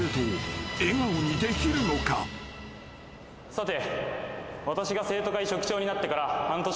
さて。